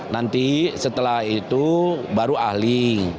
nanti setelah itu baru ahli